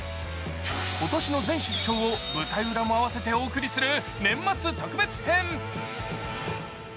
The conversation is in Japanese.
今年の全出張を舞台裏も合わせてお送りする年末特別編。